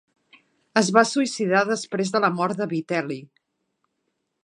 Es va suïcidar després de la mort de Vitel·li.